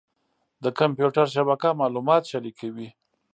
د کمپیوټر شبکه معلومات شریکوي.